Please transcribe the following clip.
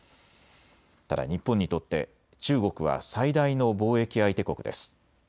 ただ日本にとって中国は最大の貿易相手国です。